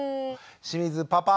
清水パパ。